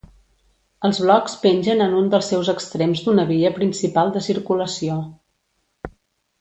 Els blocs pengen en un dels seus extrems d'una via principal de circulació.